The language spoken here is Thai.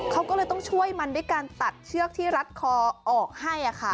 เขาก็เลยต้องช่วยมันด้วยการตัดเชือกที่รัดคอออกให้